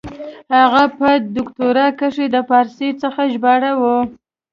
هغه په دوکتورا کښي د پاړسي څخه ژباړه وه.